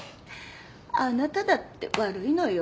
あなただって悪いのよ。